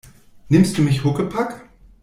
Nimmst du mich Huckepack?